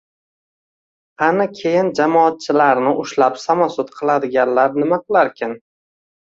Qani keyin jamoatchilarni ushlab samosud qiladiganlar nima qilarkin?!